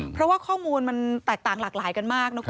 เพราะว่าข้อมูลมันแตกต่างหลากหลายกันมากนะคุณ